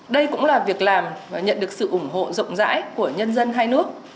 đây cũng là việc làm và nhận được sự ủng hộ rộng rãi của nhân dân hai nước